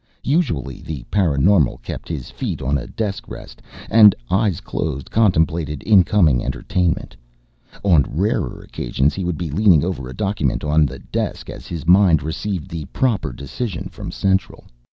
Usually the paraNormal kept his feet on a desk rest and, eyes closed, contemplated incoming entertainment. On rarer occasions he would be leaning over a document on the desk as his mind received the proper decision from Central.